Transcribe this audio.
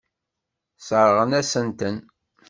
Sseṛɣen-asent-ten.